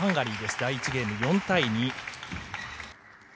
第１ゲーム、４対２。